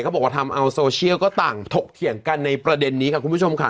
บอกว่าทำเอาโซเชียลก็ต่างถกเถียงกันในประเด็นนี้ค่ะคุณผู้ชมค่ะ